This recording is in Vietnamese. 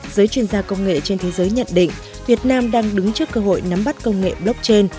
giới chuyên gia công nghệ trên thế giới nhận định việt nam đang đứng trước cơ hội nắm bắt công nghệ blockchain